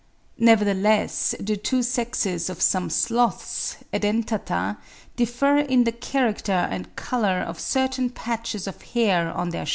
Nevertheless the two sexes of some sloths (Edentata) differ in the character and colour of certain patches of hair on their shoulders.